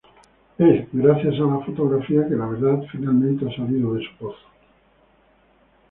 Es, gracias a la fotografía que la verdad finalmente ha salido de su pozo.